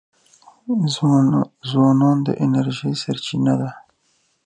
ځوانان د انرژی سرچینه دي.